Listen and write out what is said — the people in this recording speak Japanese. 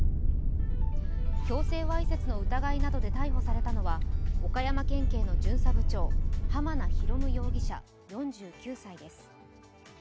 強制わいせつの疑いなどで逮捕されたのは岡山県警の巡査部長、濱名啓容疑者４９歳です。